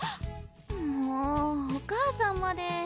もうお母さんまで。